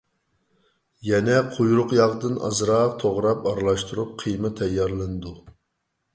يەنە قۇيرۇق ياغدىن ئازراق توغراپ ئارىلاشتۇرۇپ قىيما تەييارلىنىدۇ.